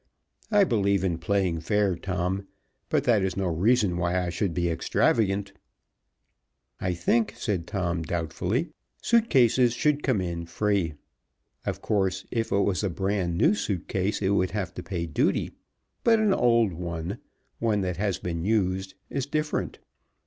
I believe in playing fair, Tom, but that is no reason why I should be extravagant." "I think," said Tom, doubtfully, "suit cases should come in free. Of course, if it was a brand new suit case it would have to pay duty, but an old one one that has been used is different.